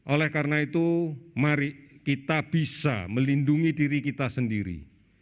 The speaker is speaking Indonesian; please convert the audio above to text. oleh karena itu mari kita bisa melindungi diri kita sendiri